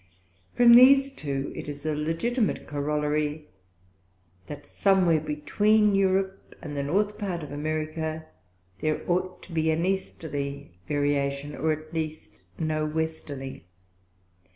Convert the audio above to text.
From these two it is a Legitimate Corollary: That Somewhere between Europe, and the North part of America, there ought to be an Easterly Variation, or at least no Westerly.